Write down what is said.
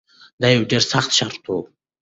دا یو ډیر سخت شرط و.